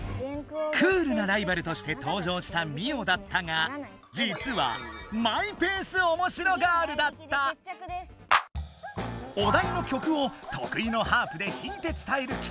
クールなライバルとしてとう場したミオだったがじつはお題の曲をとくいのハープでひいて伝えるき